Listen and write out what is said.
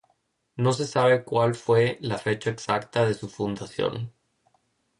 No se sabe cuál fue la fecha exacta de su fundación.